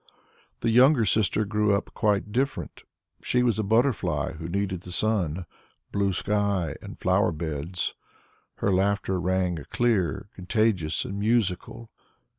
The younger sister grew up quite different; she was a butterfly who needed the sun, blue sky and flower beds; her laughter rang clear, contagious and musical.